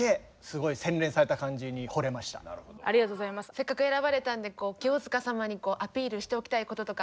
せっかく選ばれたんで清塚様にアピールしておきたいこととか。